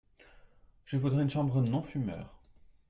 Je voudrais une chambre non fumeur.